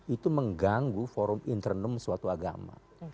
itu mengganggu forum internum suatu agama